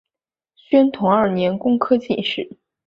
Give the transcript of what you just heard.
宣统二年工科进士。